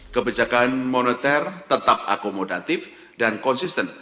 kebijakan moneter tetap akomodatif dan konsisten